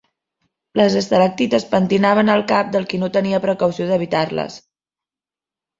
Les estalactites pentinaven el cap del qui no tenia precaució d’evitar-les.